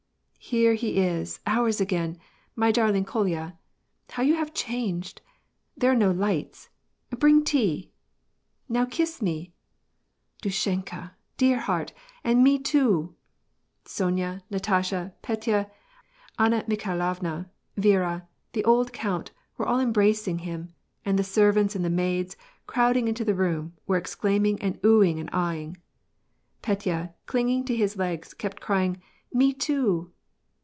" Here he is — ours again — my darling, Kolya. How you have changed ! There are no lights ! Bring tea/ "" Now kiss me !"" Dushenka, dear heart, and me too !" Sonya, Natasha^ Petya, Anna Mikhailovna, Yiera, the old eonnt, were all embracing him : and the servants and the maids, crowding into the room, were exclaiming and ohing and ahing. Petya^ clinging to his legs, kept crying, "jne too